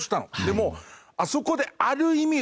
でもあそこである意味